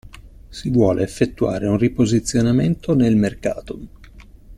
Si vuole effettuare un riposizionamento nel mercato.